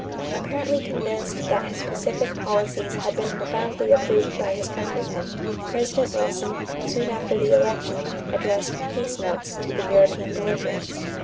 = Apparently convinced that his pacific policies had been profoundly approved by his countrymen, President Wilson, soon after the election, addressed "peace notes" to the European belligerents.